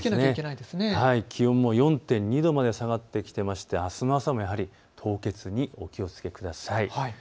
気温も４．２度まで下がってきまして、あすの朝もやはり凍結に気をつけてください。